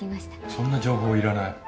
そんな情報いらない。